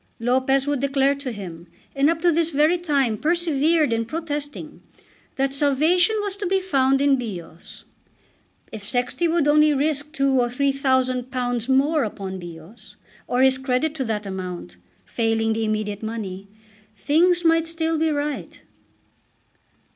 Lopez would declare to him, and up to this very time persevered in protesting, that salvation was to be found in Bios. If Sexty would only risk two or three thousand pounds more upon Bios, or his credit to that amount, failing the immediate money, things might still be right.